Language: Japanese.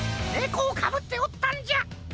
ネコをかぶっておったんじゃ！